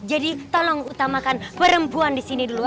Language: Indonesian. jadi tolong utamakan perempuan disini dulu